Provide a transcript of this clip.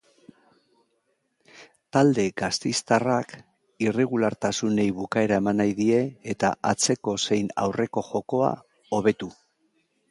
Talde gasteiztarrak irregulartasunei bukaera eman nahi die eta atseko zein aurreko jokoa hobetu.